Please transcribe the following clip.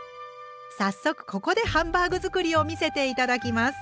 早速ここでハンバーグ作りを見せて頂きます。